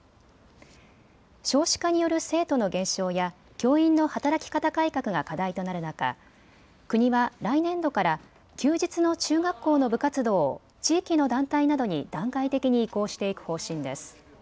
少子化による生徒の減少や教員の働き方改革が課題となる中、国は来年度から休日の中学校の部活動を地域の団体などに段階的に移行していく方針です。